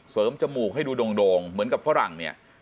จมูกให้ดูโด่งเหมือนกับฝรั่งเนี่ย